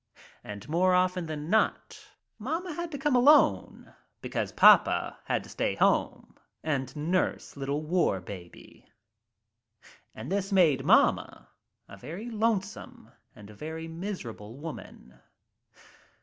And more often than not mamma had to come alone becaure papa had to stay home and nurse little War Baby. And this made mamma a very lonesome and a very miserable woman.